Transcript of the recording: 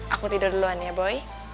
aku tidur duluan ya boy